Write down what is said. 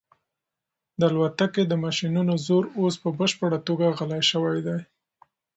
د الوتکې د ماشینونو زور اوس په بشپړه توګه غلی شوی دی.